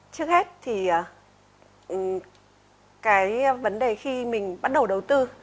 trước hết thì cái vấn đề khi mình bắt đầu đầu tư